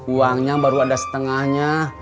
uangnya baru ada setengahnya